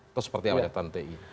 atau seperti apa catatan ti